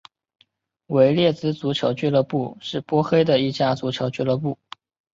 维列兹足球俱乐部是波黑的一家足球俱乐部。